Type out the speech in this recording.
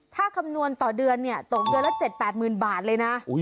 ถ้าคำนวณต่อเดือนเนี่ยตกเดือนละ๗๘๐๐๐บาทเลยนะ